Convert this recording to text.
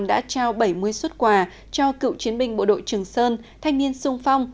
đã trao bảy mươi xuất quà cho cựu chiến binh bộ đội trường sơn thanh niên sung phong